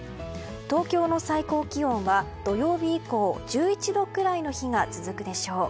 東京の最高気温は土曜日以降１１度くらいの日が続くでしょう。